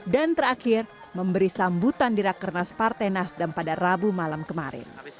terakhir memberi sambutan di rakernas partai nasdem pada rabu malam kemarin